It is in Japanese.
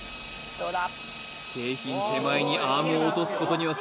どうだ？